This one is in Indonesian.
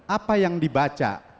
apa yang dibaca